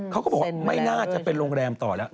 เขาก็บอกว่าไม่น่าจะเป็นโรงแรมต่อแล้ว